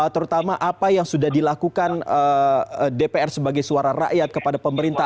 terutama apa yang sudah dilakukan dpr sebagai suara rakyat kepada pemerintah